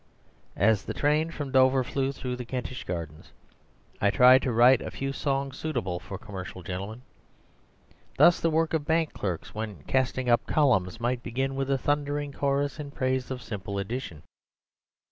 As the train from Dover flew through the Kentish gardens, I tried to write a few songs suitable for commercial gentlemen. Thus, the work of bank clerks when casting up columns might begin with a thundering chorus in praise of Simple Addition.